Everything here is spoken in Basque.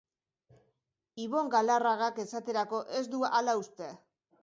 Ibon Galarragak, esaterako, ez du hala uste.